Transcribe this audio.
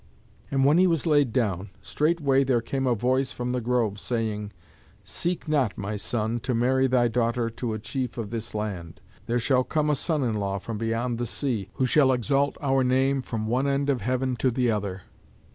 And when he was laid down, straightway there came a voice from the grove, saying, "Seek not, my son, to marry thy daughter to a chief of this land. There shall come a son in law from beyond the sea, who shall exalt our name from the one end of heaven to the other."